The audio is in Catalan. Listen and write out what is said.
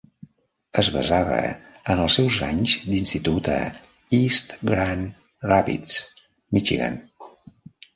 Es basava en els seus anys d'institut a East Grand Rapids, Michigan.